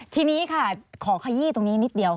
ทีนี้ค่ะขอขยี้ตรงนี้นิดเดียว